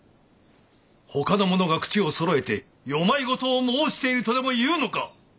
ほかの者が口をそろえて世迷い言を申しているとでも言うのか！